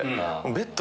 ベッドは。